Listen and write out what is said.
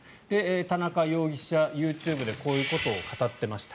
田中容疑者、ＹｏｕＴｕｂｅでこういうことを語っていました。